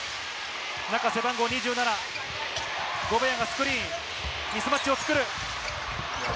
中、背番号２７、ゴベアがスクリーン、ミスマッチを作る。